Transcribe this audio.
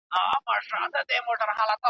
مه کوه په چا چي وبه سي په تا